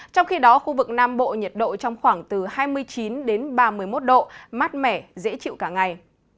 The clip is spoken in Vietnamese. trong khi đó khu vực nam bộ nhiệt độ trong khoảng từ hai mươi chín đến ba mươi một độ mát mẻ dễ chịu cả ngày